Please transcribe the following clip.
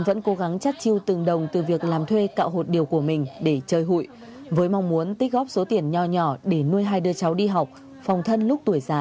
bên cạnh việc đưa tiền góp hụi cho bà thảo với mong muốn tiết kiệm tích góp để sửa lại căn nhà